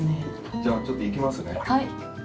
◆じゃあ、ちょっといきますね。